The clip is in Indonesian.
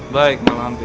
baik mak lampir